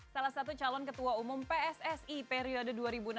salah satu calon ketua umum pssi periode dua ribu enam belas dua ribu dua